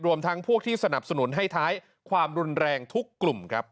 ทั้งพวกที่สนับสนุนให้ท้ายความรุนแรงทุกกลุ่มครับ